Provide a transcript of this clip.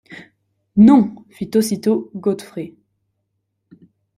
Non! fit aussitôt Godfrey.